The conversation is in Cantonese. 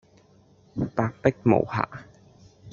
白璧無瑕